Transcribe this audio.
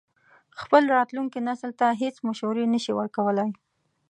خپل راتلونکي نسل ته هېڅ مشورې نه شي ورکولای.